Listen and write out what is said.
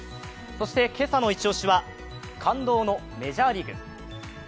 そして今朝のイチ押しは感動のメジャーリーグ。